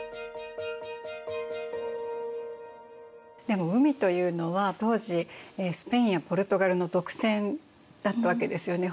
でも海というのは当時スペインやポルトガルの独占だったわけですよね